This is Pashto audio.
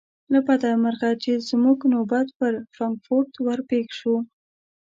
له بده مرغه چې زموږ نوبت پر فرانکفورت ور پیښ شو.